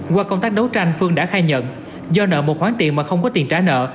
qua công tác đấu tranh phương đã khai nhận do nợ một khoản tiền mà không có tiền trả nợ